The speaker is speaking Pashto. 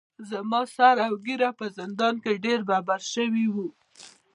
زما سر اوږېره په زندان کې ډیر ببر شوي وو.